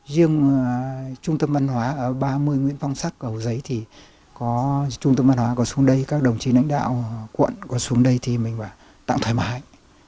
riêng trung tâm văn hóa ở ba mươi nguyễn phong sắc hồ giấy trung tâm văn hóa có xuống đây các đồng chí lãnh đạo quận có xuống đây thì mình bảo tặng thoải mái